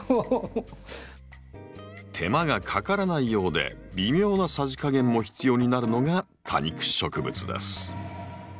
手間がかからないようで微妙なさじ加減も必要になるのが多肉植物です。